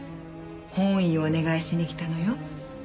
翻意をお願いしに来たのよ。